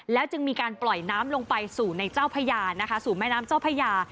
จึงมีการปล่อยน้ำลงไปสู่ในเจ้าพญานะคะสู่แม่น้ำเจ้าพญา